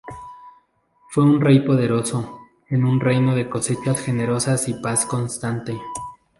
Fue un rey poderoso, en un reino de cosechas generosas y paz constante.